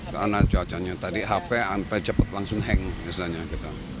karena cuacanya tadi hp hampir cepat langsung hang